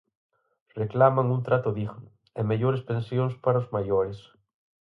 Reclaman un trato digno, e mellores pensións para os maiores.